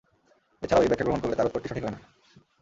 এ ছাড়াও এই ব্যাখ্যা গ্রহণ করলে তার উত্তরটি সঠিক হয় না।